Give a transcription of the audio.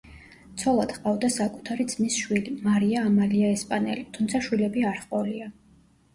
ცოლად ჰყავდა საკუთარი ძმის შვილი მარია ამალია ესპანელი, თუმცა შვილები არ ჰყოლია.